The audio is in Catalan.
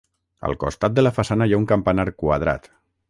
Al costat de la façana hi ha un campanar quadrat.